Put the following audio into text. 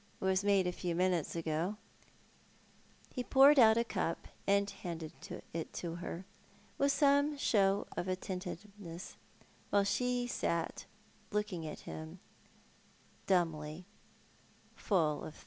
It was made a few minutes ago." He poured out a cup and handed it to her, with some show of attentiveness, while she sat looking at liim dumbly, full of thought.